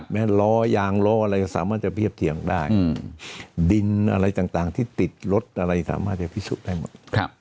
ล้อยางล้ออะไรก็สามารถจะเทียบเถียงได้ดินอะไรต่างที่ติดรถอะไรสามารถจะพิสูจน์ได้หมด